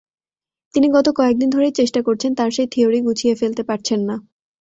তিনি গত কয়েক দিন ধরেই চেষ্টা করছেন তাঁর সেই থিওরি গুছিয়ে ফেলতে পারছেন না।